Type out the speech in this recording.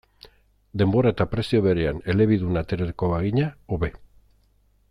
Denbora eta prezio berean elebidun aterako bagina, hobe.